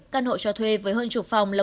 căn hộ cho thuê với hơn chục phòng là